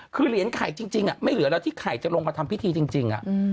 คือเหรียญไข่จริงไม่เหลือแล้วที่ไข่จะลงมาทำพิธีจริง